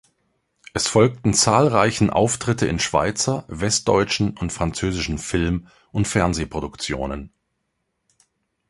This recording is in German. Es folgten zahlreichen Auftritte in Schweizer, westdeutschen und französischen Film- und Fernsehproduktionen.